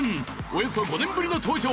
およそ５年ぶりの登場！